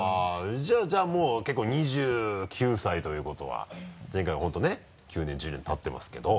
じゃあもう結構２９歳ということは前回本当にね９年１０年たってますけど。